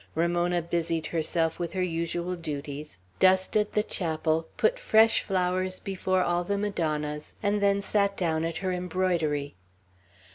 Ramona busied herself with her usual duties, dusted the chapel, put fresh flowers before all the Madonnas, and then sat down at her embroidery.